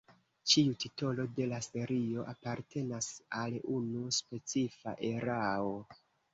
Ĉiu titolo de la serio apartenas al unu specifa erao.